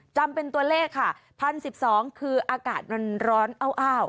จำเป็นตัวเลขค่ะพันสิบสองคืออากาศมันร้อนอ้าวอ้าว